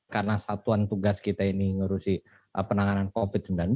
karena satuan tugas kita ini mengurusi penanganan covid sembilan belas